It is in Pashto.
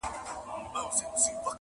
تر مابین مو دي په وېش کي عدالت وي.!